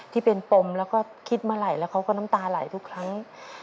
ที่เป็นปมแล้วก็คิดเมื่อไหร่แล้วเขาก็น้ำตาไหลทุกครั้ง